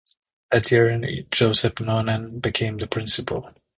That year Joseph Noonan became the principal.